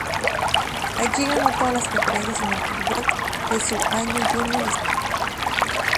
Allí ganó todas las conferencias en el fútbol de su año junior y senior.